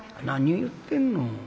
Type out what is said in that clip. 「何を言ってるの。